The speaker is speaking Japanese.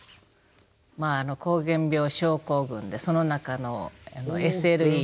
まああの膠原病症候群でその中のＳＬＥという。